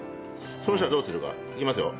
そうしたらどうするか。いきますよ。